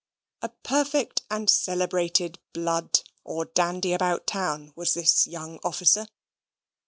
A perfect and celebrated "blood," or dandy about town, was this young officer.